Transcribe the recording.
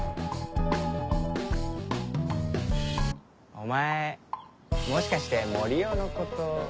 お前もしかして森生のこと。